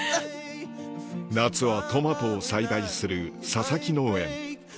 夏はトマトを栽培する佐々木農園